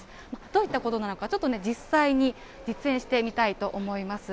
どういったことなのか、ちょっと実際に実演してみたいと思います。